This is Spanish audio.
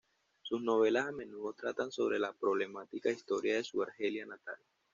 Sus novelas a menudo tratan sobre la problemática historia de su Argelia natal.